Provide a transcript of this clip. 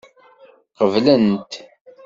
Qeblent.